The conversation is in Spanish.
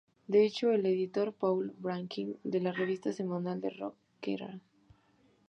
De hecho, el editor Paul Brannigan de la revista semanal de "rock" Kerrang!